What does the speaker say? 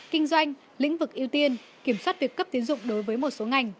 kinh doanh lĩnh vực ưu tiên kiểm soát việc cấp tiến dụng đối với một số ngành